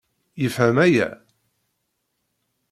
Yefhem aya?